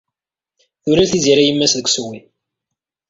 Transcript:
Tulel Tiziri yemma-s deg ussewwi.